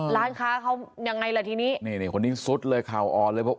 ร้านค้าเขายังไงล่ะทีนี้นี่คนนี้ซุดเลยข่าวอ่อนเลยบอก